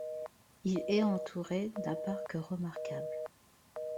Il est entouré d'un parc remarquable.